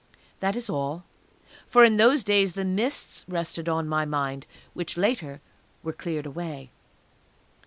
That is all. For in those days the mists rested on my mind, which later on were cleared away.